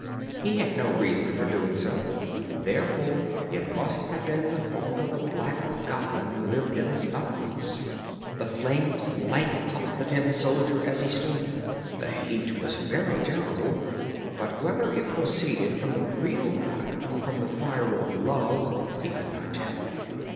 He had no reason for doing so, therefore it must have been the fault of the black goblin who lived in the snuff box. The flames lighted up the tin soldier, as he stood, the heat was very terrible, but whether it proceeded from the real fire or from the fire of love he could not tell.